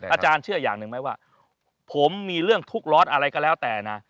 อาจารย์เชื่ออย่างหนึ่งไหมว่าผมมีเรื่องทุกข์ร้อนอะไรก็แล้วแต่นะ